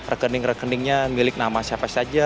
rekening rekeningnya milik nama siapa saja